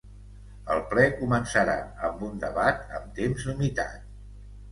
El ple començarà amb un debat amb temps limitat.